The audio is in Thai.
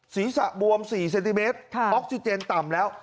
ศีรษะบวม๔เซนติเมตรออกซิเจนต่ำแล้ว